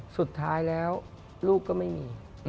สุดท้ายแล้วลูกก็ไม่มี